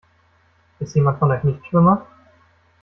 Ist jemand von euch Nichtschwimmer?